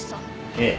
ええ。